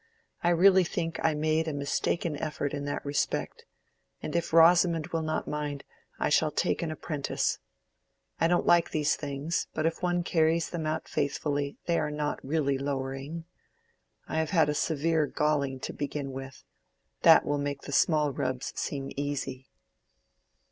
"I really think I made a mistaken effort in that respect. And if Rosamond will not mind, I shall take an apprentice. I don't like these things, but if one carries them out faithfully they are not really lowering. I have had a severe galling to begin with: that will make the small rubs seem easy."